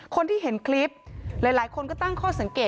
คนที่เห็นคลิปหลายคนก็ตั้งข้อสังเกต